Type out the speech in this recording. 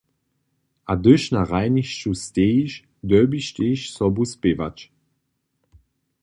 A hdyž na hrajnišću stejiš, dyrbiš tež sobu spěwać.